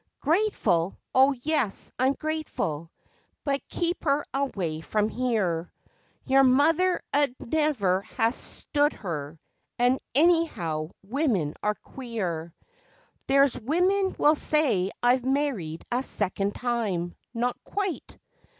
Grateful? Oh, yes, I'm grateful, but keep 'er away from here. Your mother 'ud never ha' stood 'er, and, anyhow, women are queer.... There's women will say I've married a second time. Not quite!